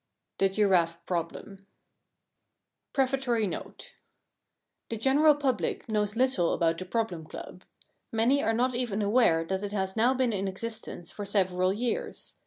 I THE GIRAFFE PROBLEM Prefatory Note The general public knows little about the Problem Club. Many are not even aware that it has now been in existence for several years.